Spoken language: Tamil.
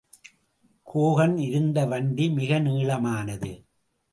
ஹோகன் இருந்த வண்டி மிக நீளமானது.